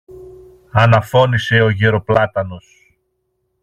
αναφώνησε ο γερο-πλάτανος.